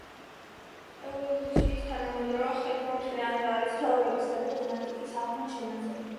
ევოლუციის თანამედროვე ხედვა მთლიანად არის აგებული დარვინის თეორიებსა და გენეტიკის აღმოჩენებზე.